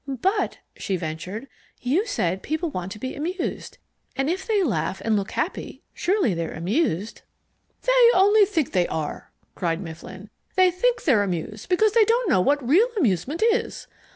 "But," she ventured, "you said people want to be amused. And if they laugh and look happy, surely they're amused?" "They only think they are!" cried Mifflin. "They think they're amused because they don't know what real amusement is!